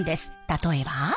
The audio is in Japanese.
例えば。